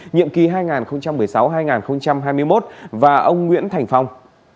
nhiệm kỳ hai nghìn một mươi sáu hai nghìn hai mươi một và ông nguyễn thành phong